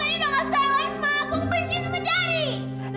dedy jahat dedy nggak mau selain sama aku gue benci sama dedy